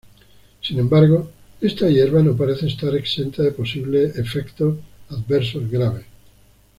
Sin embargo, esta hierba no parece estar exenta de posibles efectos adversos graves.